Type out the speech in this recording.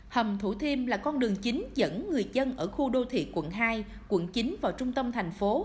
hầm thủ thiêm là con đường chính dẫn người dân ở khu đô thị quận hai quận chín vào trung tâm thành phố